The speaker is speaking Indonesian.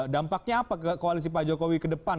dampaknya apa ke koalisi pak jokowi ke depan